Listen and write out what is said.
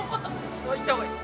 それは言った方がいい。